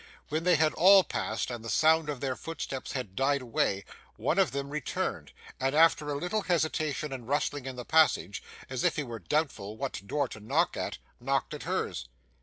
When they had all passed, and the sound of their footsteps had died away, one of them returned, and after a little hesitation and rustling in the passage, as if he were doubtful what door to knock at, knocked at hers.